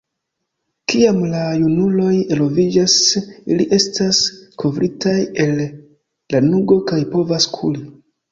Kiam la junuloj eloviĝas, ili estas kovritaj el lanugo kaj povas kuri.